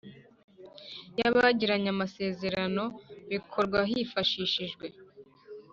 y abagiranye amasezerano bikorwa hifashishijwe